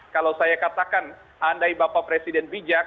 kalau saya katakan andai bapak presiden bijak